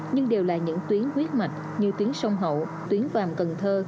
nhưng đều là những tuyến huyết mạch như tuyến sông hậu tuyến vàng cần thơ